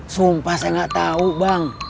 sumpah saya gak tau bang